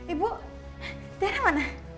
ibu tiara mana